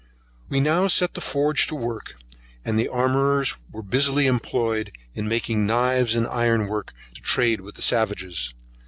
We now set the forge to work, and the armourers were busily employed in making knives and iron work to trade with the savages.